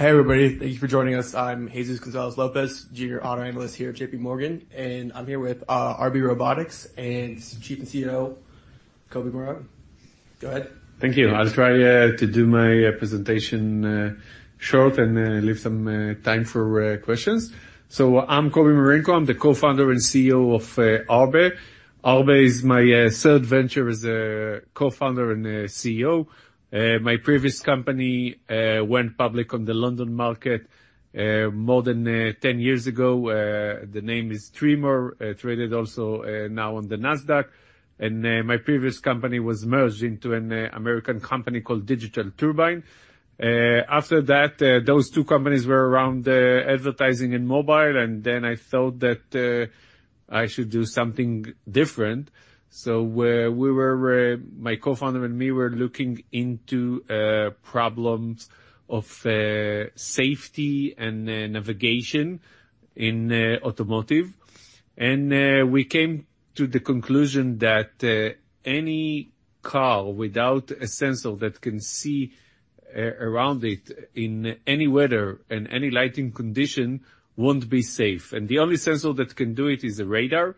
Hey, everybody. Thank you for joining us. I'm Jesus Gonzalez Lopez, junior auto analyst here at JPMorgan, and I'm here with Arbe Robotics and Chief and CEO, Kobi Marenko. Go ahead. Thank you. I'll try to do my presentation short and leave some time for questions. I'm Kobi Marenko. I'm the Co-Founder and CEO of Arbe. Arbe is my third venture as a Co-Founder and a CEO. My previous company went public on the London market more than 10 years ago. The name is Tremor, traded also now on the Nasdaq, and my previous company was merged into an American company called Digital Turbine. After that, those two companies were around advertising and mobile, and then I felt that I should do something different. We, we were, my Co-Founder and me were looking into problems of safety and navigation in automotive. We came to the conclusion that any car without a sensor that can see around it in any weather and any lighting condition won't be safe, and the only sensor that can do it is a radar.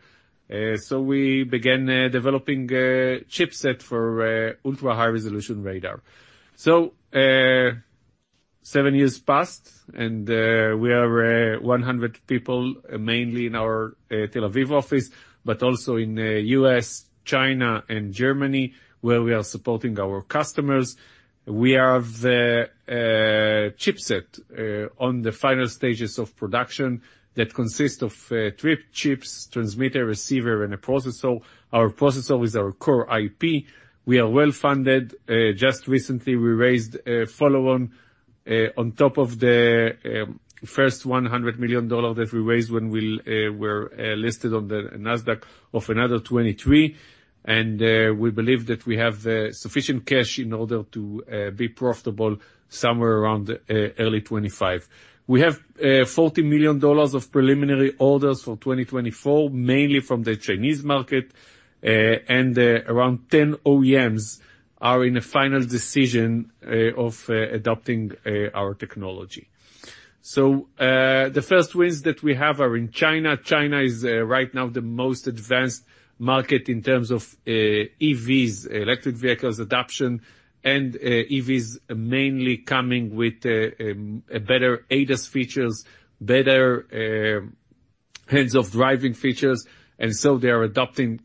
So we began developing a chipset for a ultra-high-resolution radar. Seven years passed, and we are 100 people, mainly in our Tel Aviv office, but also in the U.S., China, and Germany, where we are supporting our customers. We have the chipset on the final stages of production that consists of three chips, transmitter, receiver, and a processor. Our processor is our core IP. We are well-funded. Just recently, we raised a follow-on on top of the first $100 million that we raised when we were listed on the Nasdaq of another $23 million. We believe that we have sufficient cash in order to be profitable somewhere around early 2025. We have $40 million of preliminary orders for 2024, mainly from the Chinese market. Around 10 OEMs are in a final decision of adopting our technology. The first wins that we have are in China. China is right now the most advanced market in terms of EVs, electric vehicles adoption. They are adopting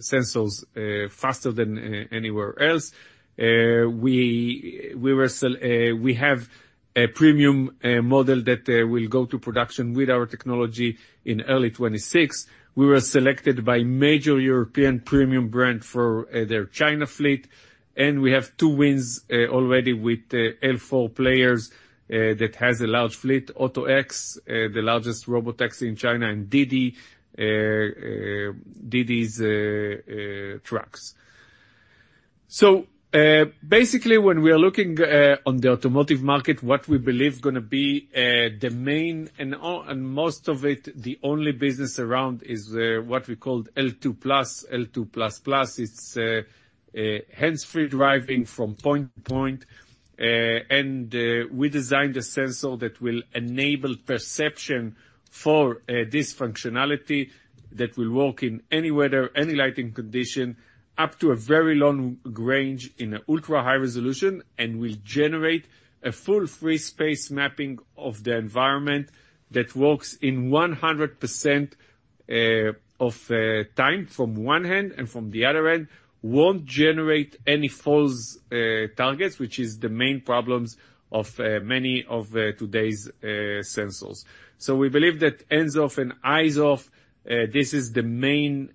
sensors faster than anywhere else. We have a premium model that will go to production with our technology in early 2026. We were selected by major European premium brand for their China fleet, and we have 2 wins already with the L4 players that has a large fleet, AutoX, the largest robotaxi in China, and Didi, Didi's trucks. Basically, when we are looking on the automotive market, what we believe going to be the main and al- and most of it, the only business around is what we call L2+, L2++. It's hands-free driving from point to point, and we designed a sensor that will enable perception for this functionality, that will work in any weather, any lighting condition, up to a very long range in ultra-high resolution and will generate a full free space mapping of the environment that works in 100% of time from one end and from the other end, won't generate any false targets, which is the main problems of many of today's sensors. We believe that hands-off and eyes-off, this is the main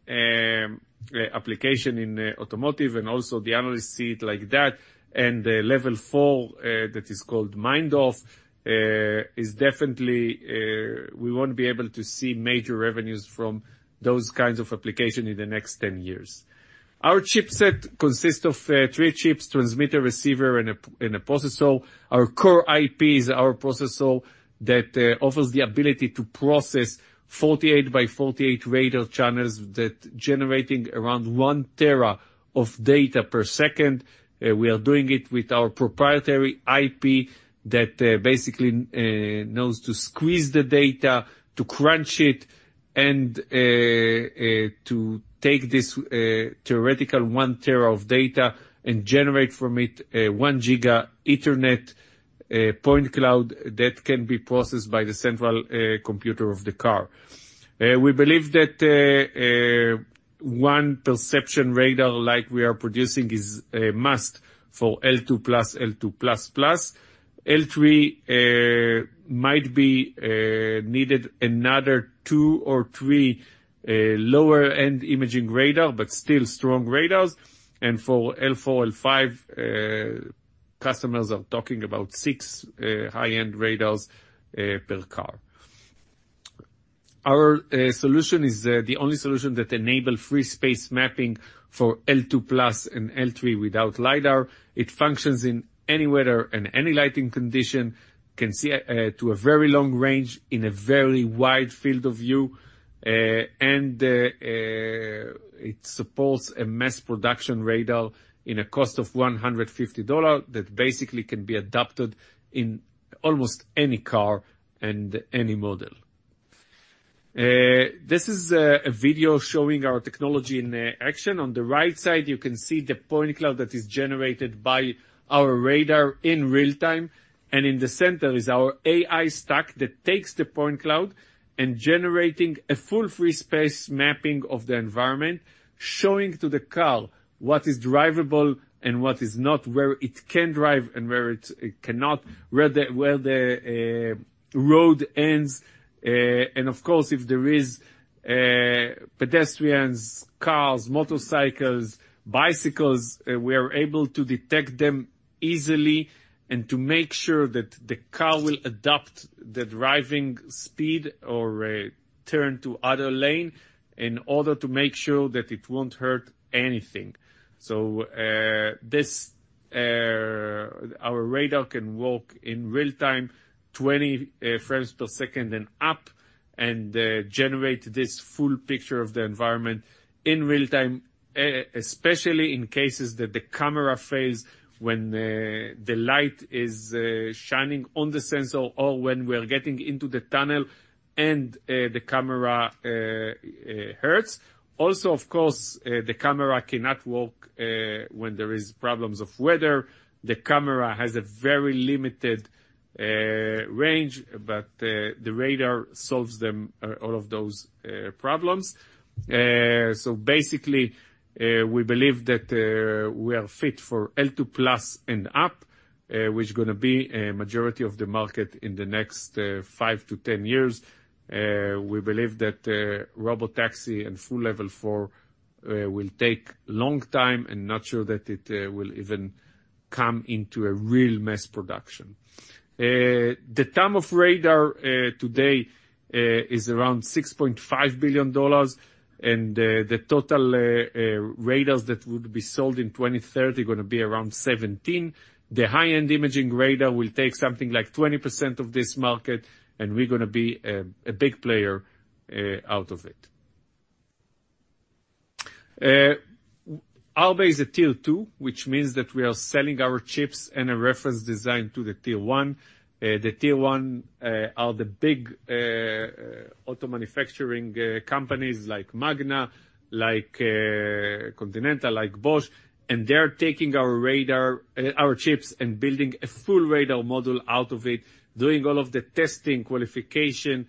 application in automotive, and also the analysts see it like that. The L4, that is called mind-off, is definitely, we won't be able to see major revenues from those kinds of application in the next 10 years. Our chipset consists of three chips, transmitter, receiver, and a processor. Our core IP is our processor that offers the ability to process 48 by 48 radar channels that generating around 1 Tb of data per second. We are doing it with our proprietary IP that basically knows to squeeze the data, to crunch it, and to take this theoretical 1 Tb of data and generate from it a 1 Gb Ethernet point cloud that can be processed by the central computer of the car. We believe that 1 perception radar like we are producing is a must for L2+, L2++. L3 might be needed another L2 or L3 lower-end imaging radar, but still strong radars. For L4, L5, customers are talking about six high-end radars per car. Our solution is the only solution that enable free space mapping for L2+ and L3 without LiDAR. It functions in any weather and any lighting condition, can see to a very long range in a very wide field of view, and it supports a mass production radar in a cost of $150 that basically can be adapted in almost any car and any model. This is a video showing our technology in action. On the right side, you can see the point cloud that is generated by our radar in real time, and in the center is our AI stack that takes the point cloud and generating a full free space mapping of the environment, showing to the car what is drivable and what is not, where it can drive and where it cannot, where the road ends. Of course, if there is pedestrians, cars, motorcycles, bicycles, we are able to detect them easily and to make sure that the car will adopt the driving speed or turn to other lane in order to make sure that it won't hurt anything. This our radar can work in real time, 20 frames per second and up, and generate this full picture of the environment in real time, especially in cases that the camera fails when the light is shining on the sensor or when we are getting into the tunnel and the camera hurts. Of course, the camera cannot work when there is problems of weather. The camera has a very limited range, but the radar solves them all of those problems. Basically, we believe that we are fit for L2+ and up, which is going to be a majority of the market in the next five to 10 years. We believe that robotaxi and full level four will take long time, not sure that it will even come into a real mass production. The TAM of radar today is around $6.5 billion, the total radars that would be sold in 2030 are going to be around 17 million. The high-end imaging radar will take something like 20% of this market, we're going to be a big player out of it. Arbe is a Tier 2, which means that we are selling our chips and a reference design to the Tier 1. The big auto manufacturing companies like Magna, Continental, and Bosch, and they're taking our radar, our chips, and building a full radar model out of it, doing all of the testing, qualification,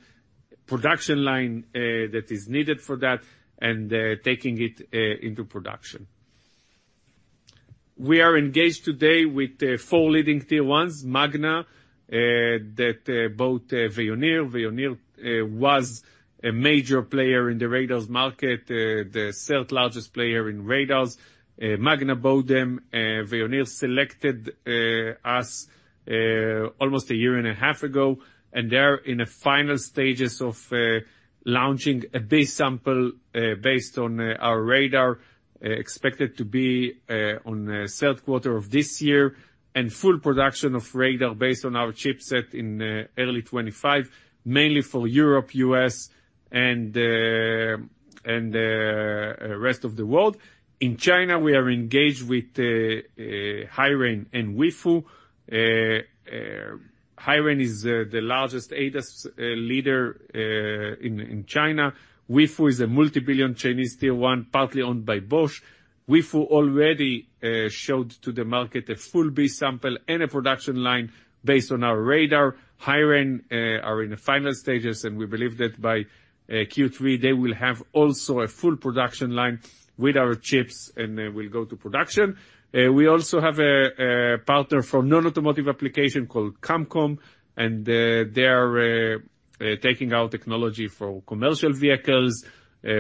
production line that is needed for that, and taking it into production. We are engaged today with four leading Tier 1s, Magna, that both Veoneer. Veoneer was a major player in the radars market, the third largest player in radars. Magna bought them. Veoneer selected us almost a year and a half ago, and they're in the final stages of launching a B sample based on our radar. Expected to be on the third quarter of this year, and full production of radar based on our chipset in early 2025, mainly for Europe, U.S., and the rest of the world. In China, we are engaged with HiRain and Weifu. HiRain is the largest ADAS leader in China. Weifu is a multi-billion Chinese Tier 1, partly owned by Bosch. Weifu already showed to the market a full B sample and a production line based on our radar. HiRain are in the final stages, and we believe that by Q3, they will have also a full production line with our chips, and will go to production. We also have a partner for non-automotive application called Qamcom, and they are taking our technology for commercial vehicles,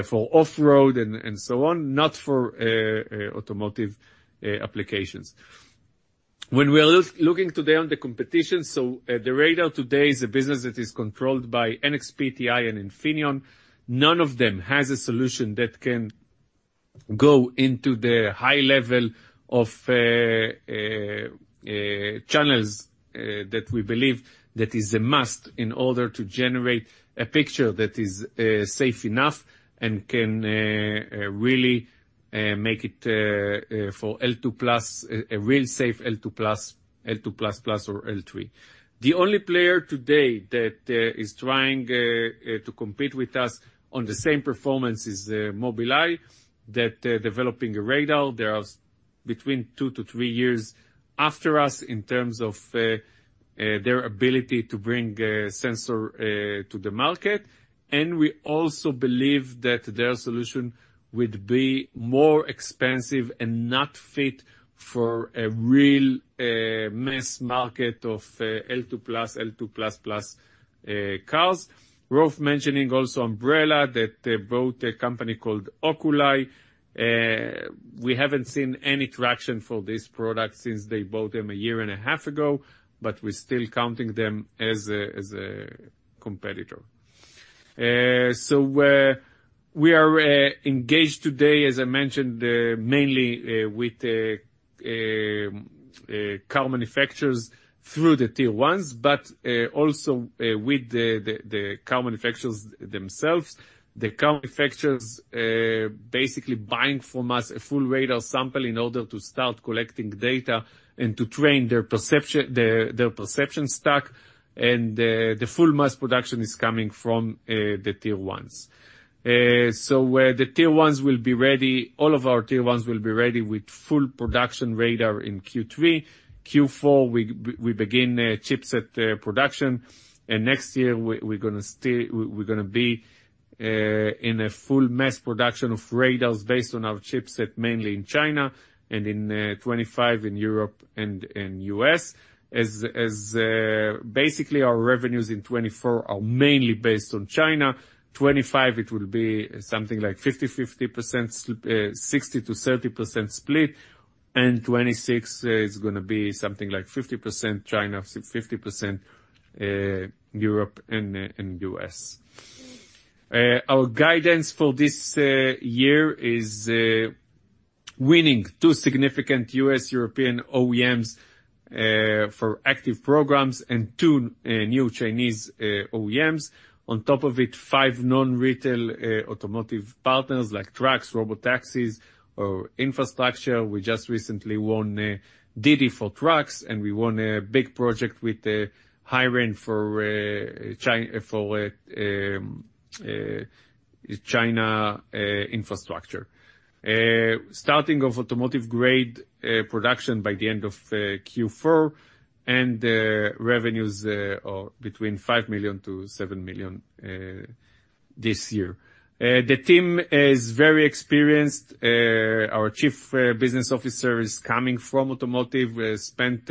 for off-road and so on, not for automotive applications. When we are looking today on the competition, the radar today is a business that is controlled by NXP, TI, and Infineon. None of them has a solution that can go into the high level of channels that we believe that is a must in order to generate a picture that is safe enough and can really make it for L2+, a real safe L2+, L2++, or L3. The only player today that is trying to compete with us on the same performance is Mobileye that developing a radar. They are between two to three years after us in terms of their ability to bring a sensor to the market. We also believe that their solution would be more expensive and not fit for a real mass market of L2+, L2++ cars. Worth mentioning also Ambarella, that they bought a company called Oculii. We haven't seen any traction for this product since they bought them 1.5 years ago, but we're still counting them as a competitor. We are engaged today, as I mentioned, mainly with car manufacturers through the Tier 1s, but also with the car manufacturers themselves. The car manufacturers basically buying from us a full radar sample in order to start collecting data and to train their perception, their, their perception stack, and the full mass production is coming from the Tier 1s. Where the Tier 1s will be ready, all of our Tier 1s will be ready with full production radar in Q3. Q4, we begin chipset production, and next year we're gonna be in a full mass production of radars based on our chipset, mainly in China and in 2025 in Europe and in U.S. Basically, our revenues in 2024 are mainly based on China. 2025, it will be something like 50/50%, 60%-30% split. 2026, it's gonna be something like 50% China, 50% Europe and U.S. Our guidance for this year is winning two significant U.S. European OEMs for active programs and two new Chinese OEMs. On top of it, five non-retail automotive partners like trucks, robotaxis, or infrastructure. We just recently won a Didi for trucks, and we won a big project with the HiRain for China infrastructure. Starting of automotive grade production by the end of Q4, and revenues are between $5 million-$7 million this year. The team is very experienced. Our Chief Business Officer is coming from automotive, spent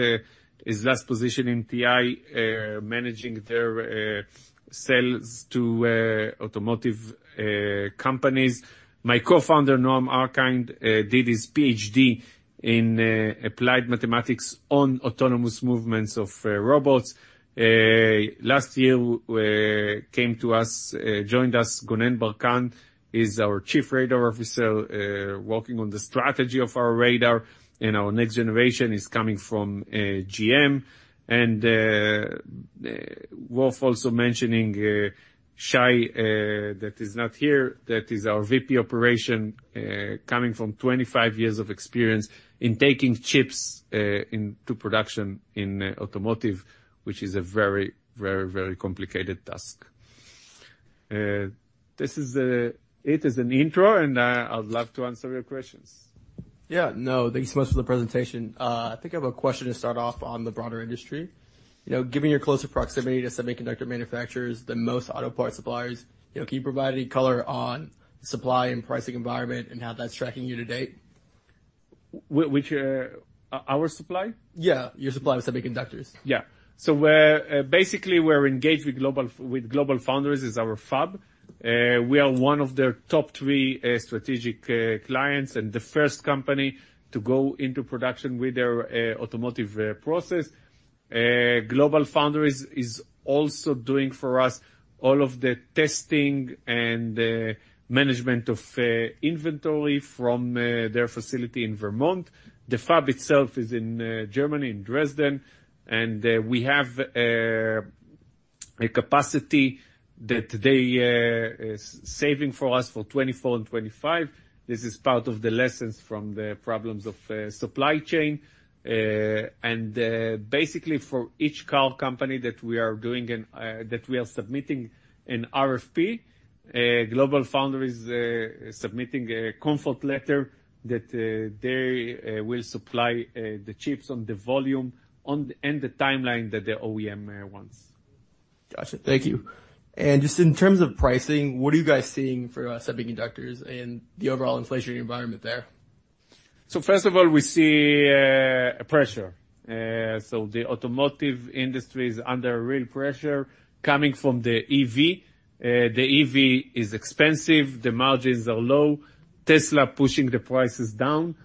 his last position in TI, managing their sales to automotive companies. My co-founder, Noam Arkind, did his PhD in applied mathematics on autonomous movements of robots. Last year, came to us, joined us, Gonen Barkan, he's our Chief Radar Officer, working on the strategy of our radar, and our next generation is coming from GM. Worth also mentioning, Shay, that is not here, that is our VP Operation, coming from 25 years of experience in taking chips into production in automotive, which is a very, very, very complicated task. This is the... It is an intro, I would love to answer your questions. Yeah. No, thank you so much for the presentation. I think I have a question to start off on the broader industry. You know, given your closer proximity to semiconductor manufacturers than most auto parts suppliers, you know, can you provide any color on supply and pricing environment and how that's tracking you to date? Which, our supply? Yeah, your supply of semiconductors. Yeah. We're basically, we're engaged with GlobalFoundries is our fab. We are one of their top three strategic clients, and the first company to go into production with their automotive process. GlobalFoundries is also doing for us all of the testing and management of inventory from their facility in Vermont. The fab itself is in Germany, in Dresden, and we have a capacity that they is saving for us for 2024 and 2025. This is part of the lessons from the problems of supply chain. Basically, for each car company that we are doing an, that we are submitting an RFP, GlobalFoundries submitting a comfort letter that they will supply the chips on the volume on and the timeline that the OEM wants. Gotcha. Thank you. Just in terms of pricing, what are you guys seeing for semiconductors and the overall inflationary environment there? First of all, we see a pressure. The automotive industry is under real pressure. The EV is expensive, the margins are low, Tesla pushing the prices down,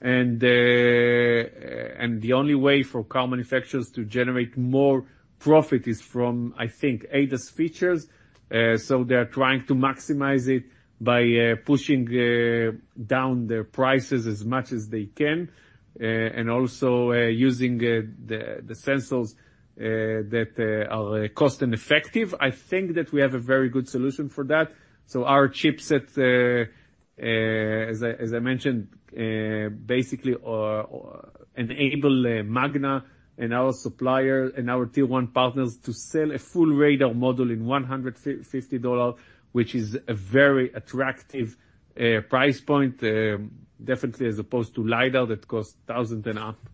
and the only way for car manufacturers to generate more profit is from, I think, ADAS features. They are trying to maximize it by pushing down their prices as much as they can, and also using the sensors that are cost and effective. I think that we have a very good solution for that. Our chipset, as I, as I mentioned, basically, enable Magna and our supplier and our Tier 1 partners to sell a full radar model in $150, which is a very attractive price point, definitely as opposed to LiDAR, that costs thousands of dollars and up.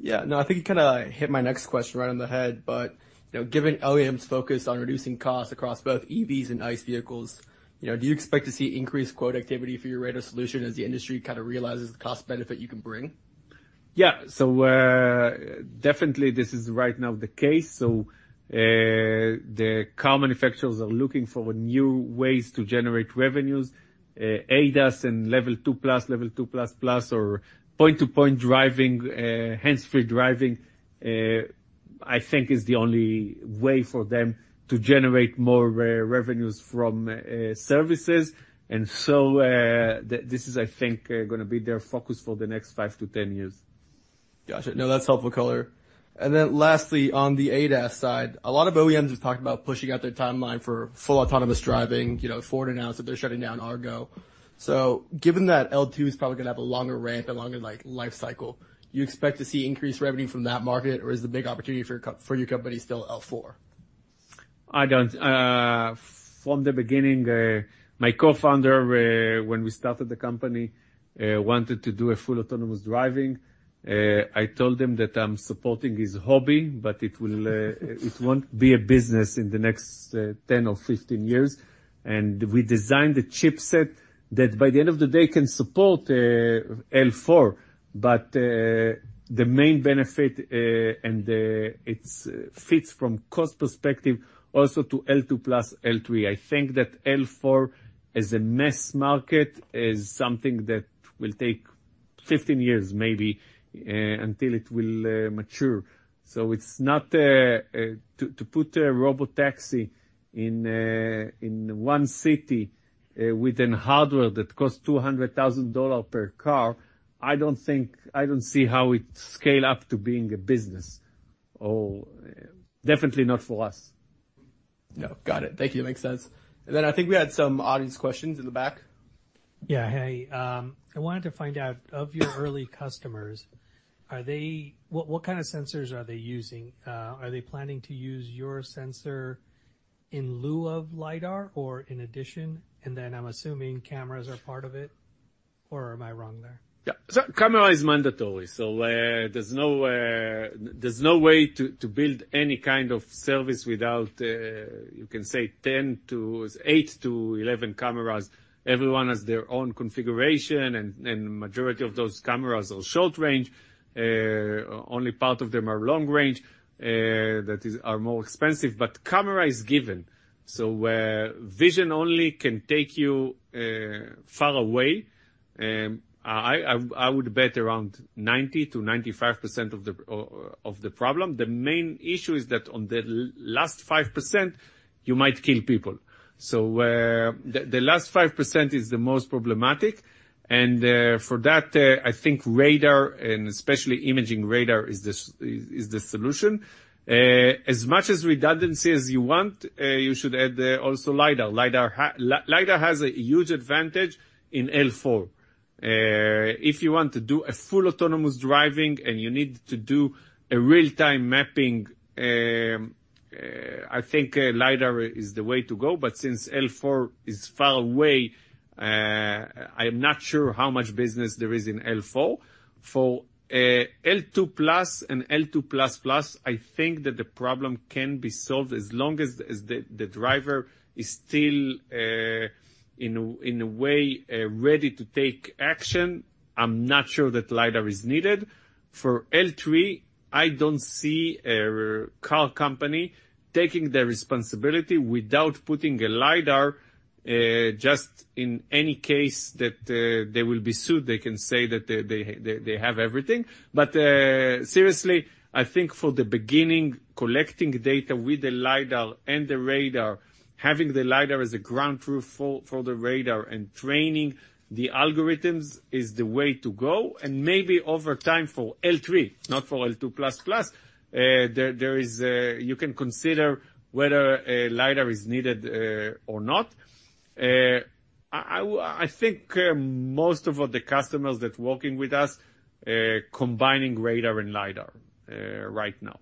Yeah. No, I think you kinda hit my next question right on the head, but, you know, given OEM's focus on reducing costs across both EVs and ICE vehicles, you know, do you expect to see increased quote activity for your radar solution as the industry kinda realizes the cost benefit you can bring? Yeah. Definitely, this is right now the case. The car manufacturers are looking for new ways to generate revenues, ADAS and L2+, L2++, or point-to-point driving, hands-free driving... I think is the only way for them to generate more revenues from services. This is, I think, gonna be their focus for the next five to 10 years. Gotcha. No, that's helpful color. Then lastly, on the ADAS side, a lot of OEMs have talked about pushing out their timeline for full autonomous driving. You know, Ford announced that they're shutting down Argo. Given that L2 is probably gonna have a longer ramp, a longer, like, life cycle, do you expect to see increased revenue from that market, or is the big opportunity for your company still L4? I don't. From the beginning, my co-founder, when we started the company, wanted to do a full autonomous driving. I told him that I'm supporting his hobby, but it will, it won't be a business in the next 10 or 15 years. We designed the chipset that, by the end of the day, can support L4, but the main benefit, and it fits from cost perspective also to L2+ plus L3. I think that L4 as a mass market is something that will take 15 years, maybe, until it will mature. So it's not. To, to put a robotaxi in, in one city, with an hardware that costs $200,000 per car, I don't see how it scale up to being a business, or definitely not for us. No. Got it. Thank you. Makes sense. Then I think we had some audience questions in the back. Yeah. Hey, I wanted to find out, of your early customers, are they... What, what kind of sensors are they using? Are they planning to use your sensor in lieu of LiDAR or in addition? I'm assuming cameras are part of it, or am I wrong there? Yeah. Camera is mandatory, so, there's no, there's no way to build any kind of service without, you can say 10 to eight to 11 cameras. Everyone has their own configuration, and, and majority of those cameras are short range, only part of them are long range, that is, are more expensive. Camera is given, so, vision only can take you far away. I, I, I would bet around 90%-95% of the problem. The main issue is that on the last 5%, you might kill people. The last 5% is the most problematic, and, for that, I think radar, and especially imaging radar, is the solution. As much as redundancies you want, you should add, also LiDAR. LiDAR- LiDAR has a huge advantage in L4. If you want to do a full autonomous driving and you need to do a real-time mapping, I think LiDAR is the way to go, but since L4 is far away, I am not sure how much business there is in L4. For, L2+ and L2++, I think that the problem can be solved as long as the driver is still in a way ready to take action. I'm not sure that LiDAR is needed. For L3, I don't see a car company taking the responsibility without putting a LiDAR, just in any case that they will be sued, they can say that they have everything. Seriously, I think for the beginning, collecting data with the LiDAR and the radar, having the LiDAR as a ground truth for, for the radar and training the algorithms is the way to go, and maybe over time for L3, not for L2++, you can consider whether a LiDAR is needed or not. I, I, I think most of the customers that working with us, combining radar and LiDAR right now.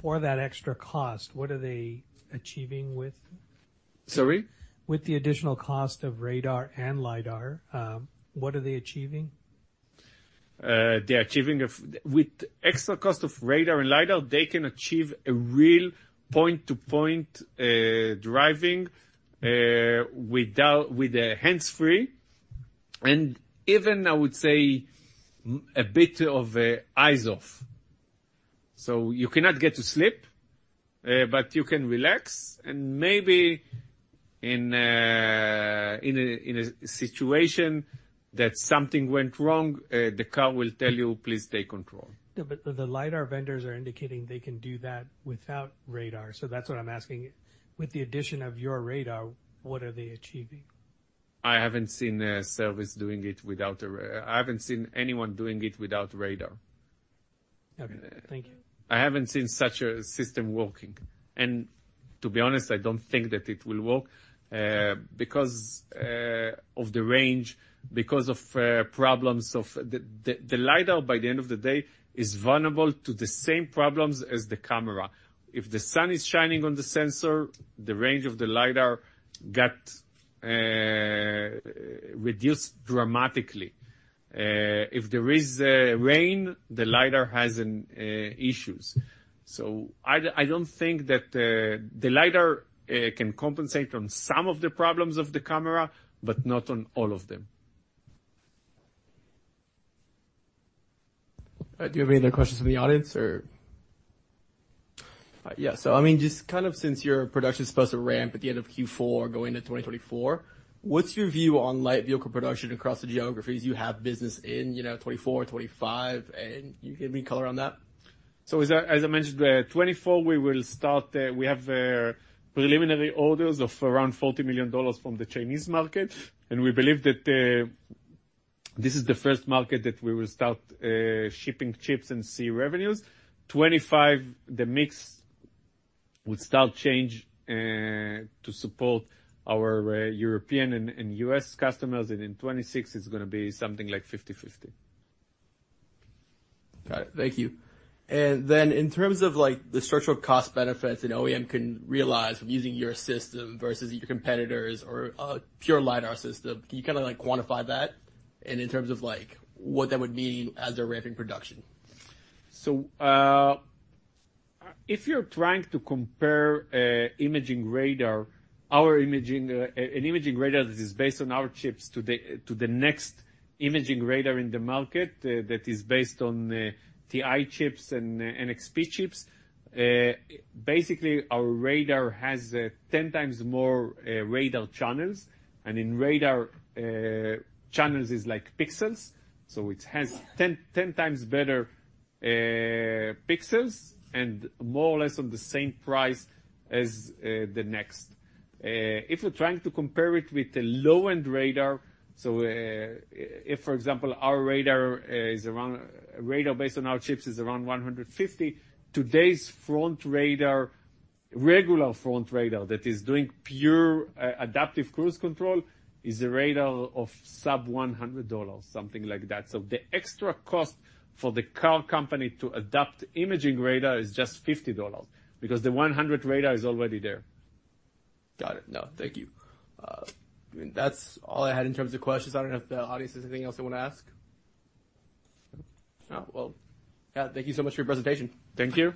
For that extra cost, what are they achieving with? Sorry? With the additional cost of radar and LiDAR, what are they achieving? They are achieving a With extra cost of radar and LiDAR, they can achieve a real point-to-point driving without- with a hands-free, and even, I would say, m- a bit of eyes-off. You cannot get to sleep, but you can relax, and maybe in a, in a situation that something went wrong, the car will tell you, "Please take control. Yeah, the LiDAR vendors are indicating they can do that without radar. That's what I'm asking. With the addition of your radar, what are they achieving? I haven't seen a service doing it without a. I haven't seen anyone doing it without radar. Okay. Thank you. I haven't seen such a system working, and to be honest, I don't think that it will work because of the range, because of problems of. The LiDAR, by the end of the day, is vulnerable to the same problems as the camera. If the sun is shining on the sensor, the range of the LiDAR got reduced dramatically. If there is rain, the LiDAR has an issues. I don't think that the LiDAR can compensate on some of the problems of the camera, but not on all of them. Do you have any other questions from the audience, or? Yeah, I mean, just kind of since your production is supposed to ramp at the end of Q4 going into 2024, what's your view on light vehicle production across the geographies you have business in, you know, 2024, 2025, and you can give me color on that? As I, as I mentioned, 2024, we will start, we have preliminary orders of around $40 million from the Chinese market, and we believe that this is the first market that we will start shipping chips and see revenues. 2025, the mix will start change to support our European and U.S. customers, and in 2026, it's going to be something like 50/50. Got it. Thank you. In terms of like the structural cost benefits an OEM can realize with using your system versus your competitors or, pure LiDAR system, can you kind of like quantify that, and in terms of like what that would mean as they're ramping production? If you're trying to compare imaging radar, our imaging an imaging radar that is based on our chips to the next imaging radar in the market, that is based on TI chips and NXP chips, basically, our radar has 10 times more radar channels, and in radar, channels is like pixels. It has 10, 10 times better pixels and more or less of the same price as the next. If we're trying to compare it with the low-end radar, if, for example, our radar is around-- radar based on our chips is around 150, today's front radar, regular front radar, that is doing pure adaptive cruise control, is a radar of sub $100, something like that. The extra cost for the car company to adopt imaging radar is just $50, because the 100 radar is already there. Got it. No, thank you. That's all I had in terms of questions. I don't know if the audience has anything else they want to ask? No. Well, yeah, thank you so much for your presentation. Thank you.